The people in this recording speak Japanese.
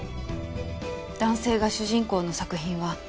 男性が主人公の作品は。